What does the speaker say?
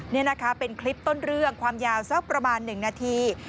นี่นะคะเป็นคลิปต้นเรื่องความยาวสักประมาณ๑นาที